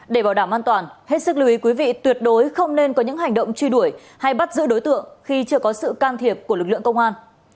để bảo đảm an toàn hết sức lưu ý quý vị tuyệt đối không nên có những hành động truy đuổi hay bắt giữ đối tượng khi chưa có sự can thiệp của lực lượng công an